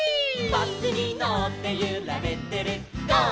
「バスにのってゆられてるゴー！